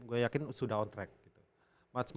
gue yakin sudah on track gitu